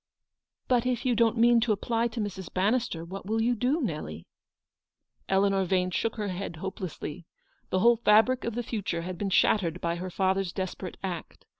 "But if you don't mean to apply to Mrs. Ban nister, what will you do, Nelly ?" Eleanor Yane shook her head hopelessly. The whole fabric of the future had been shattered by her father's desperate act.